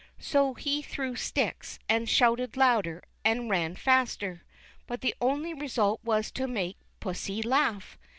So he threw sticks, and shouted louder, and ran faster; but the only result was to make pussy laugh.